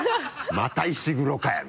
「また石黒かよ！」